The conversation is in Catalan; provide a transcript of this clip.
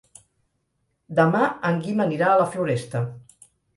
Demà en Guim anirà a la Floresta.